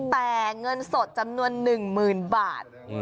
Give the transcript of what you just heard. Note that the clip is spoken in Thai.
แต่เงินสดจำนวน๑๐๐๐บาท